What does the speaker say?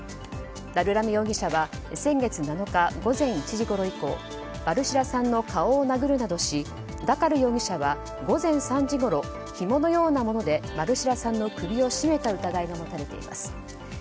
ダルラミ容疑者は先月７日午前１時ごろ以降バルシラさんの顔を殴るなどしダカル容疑者は午前３時ごろひものようなものでバルシラさんの首を絞めた疑いが持たれています。